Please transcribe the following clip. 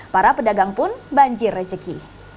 para pedagang pun banjir rejeki